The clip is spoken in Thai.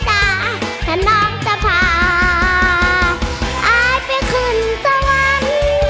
ถ้าน้องจะพาอายไปขึ้นเจ้าวัน